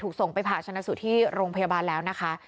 ส่งไปผ่าชนะสูตรที่โรงพยาบาลแล้วนะคะ